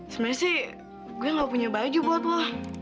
sebenarnya sih gue gak punya baju buat wah